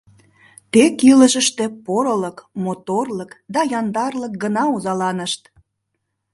Тек илышыште порылык, моторлык да яндарлык гына озаланышт.